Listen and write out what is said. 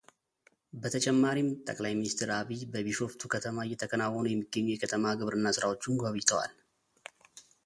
በተጨማሪም ጠቅላይ ሚኒስትር ዐቢይ በቢሾፍቱ ከተማ እየተከናወኑ የሚገኙ የከተማ ግብርና ስራዎችን ጎብኝተዋል፡፡